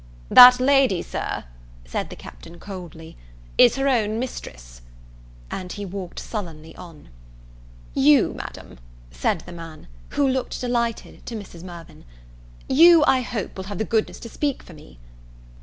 "That lady, Sir," said the Captain coldly, "is her own mistress." And he walked sullenly on. "You, Madam," said the man (who looked delighted, to Mrs. Mirvan), "You, I hope, will have the goodness to speak for me."